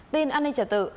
tin an ninh trả tự